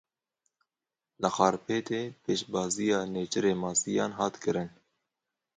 Li Xarpêtê pêşbaziya nêçîra masiyan hat kirin.